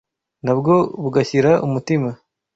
na bwo bugashyira umutima